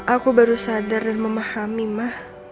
aku baru sadar dan memahami mah